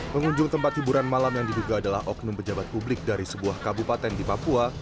pengunjung tempat hiburan malam yang diduga adalah oknum pejabat publik dari sebuah kabupaten di papua